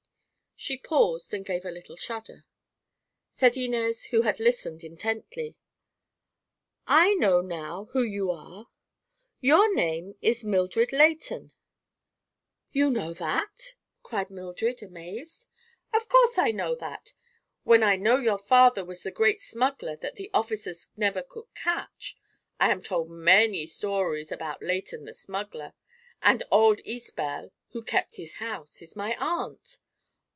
She paused and gave a little shudder. Said Inez, who had listened intently: "I know now who you are. Your name is Mildred Leighton." "You know that!" cried Mildred, amazed. "Of course I know that, when I know your father was the great smuggler that the officers never could catch. I am told many stories about Leighton the smuggler, and old Izbel, who kept his house, is my aunt.